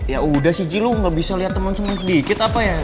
ya udah sih ji lo gak bisa liat temen temen sedikit apa ya